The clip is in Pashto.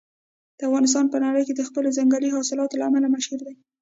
افغانستان په نړۍ کې د خپلو ځنګلي حاصلاتو له امله مشهور دی.